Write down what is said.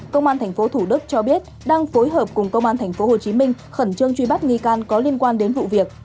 công an tp thủ đức cho biết đang phối hợp cùng công an tp hcm khẩn trương truy bắt nghi can có liên quan đến vụ việc